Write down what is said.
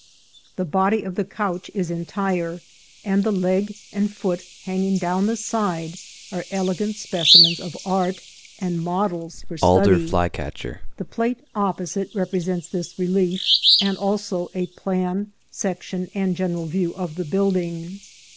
The body of the couch is entire, and the leg and foot hanging down the side are elegant specimens of art and models for study. The plate opposite represents this relief, and also a plan, section, and general view of the building.